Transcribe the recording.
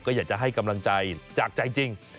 ก็อยากจะให้กำลังใจจากใจจริง